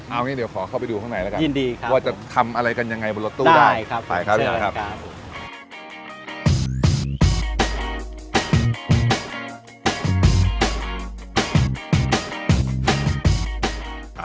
เอ้านี่เดี๋ยวขอเข้าไปดูข้างในแล้วกันว่าจะทำอะไรกันยังไงบนรถตู้ได้ขอบคุณครับได้ครับขอบคุณครับ